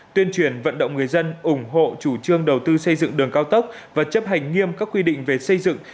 tuyên truyền vận động người dân ủng hộ chủ trương đầu tư xây dựng đường cao tốc và chấp hành nghiêm các quy định về xây dựng